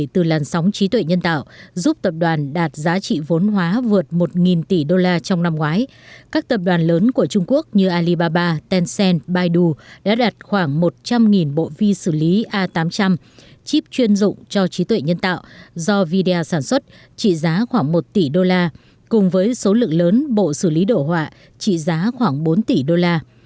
từ lần sóng trí tuệ nhân tạo giúp tập đoàn đạt giá trị vốn hóa vượt một tỷ đô la trong năm ngoái các tập đoàn lớn của trung quốc như alibaba tencent baidu đã đạt khoảng một trăm linh bộ vi xử lý a tám trăm linh chip chuyên dụng cho trí tuệ nhân tạo do vidya sản xuất trị giá khoảng một tỷ đô la cùng với số lượng lớn bộ xử lý đổ họa trị giá khoảng bốn tỷ đô la